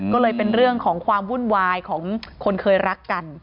ก็เลยเป็นเรื่องของความวุ่นวายของคนเคยรักกัน